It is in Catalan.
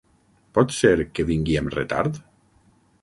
Pot ser que vingui amb retard?